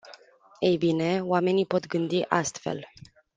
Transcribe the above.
Ei bine, oamenii pot gând astfel.